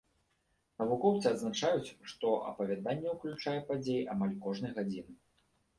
Навукоўцы адзначаюць, што апавяданне ўключае падзеі амаль кожнай гадзіны.